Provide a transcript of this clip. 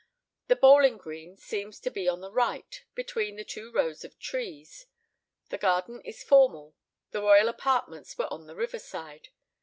The bowling green seems to be to the right, between the two rows of trees. The garden is formal. The royal apartments were on the river side.